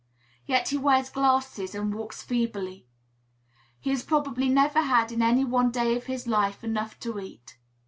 Yet he wears glasses and walks feebly; he has probably never had in any one day of his life enough to eat.